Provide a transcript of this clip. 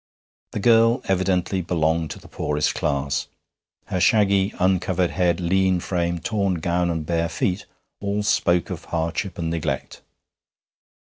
The girl evidently belonged to the poorest class. Her shaggy, uncovered head, lean frame, torn gown, and bare feet, all spoke of hardship and neglect.